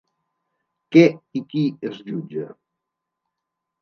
Què i qui es jutja?